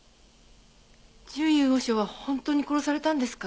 淳雄和尚は本当に殺されたんですか？